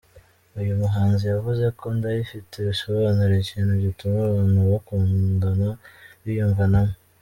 Uyu muhanzi yavuze ko Ndayifite bisobanura ikintu gituma abantu bakundana biyumvanamo.